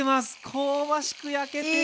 香ばしく焼けてる。